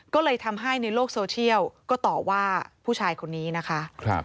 ก็เลยทำให้ในโลกโซเชียลก็ต่อว่าผู้ชายคนนี้นะคะ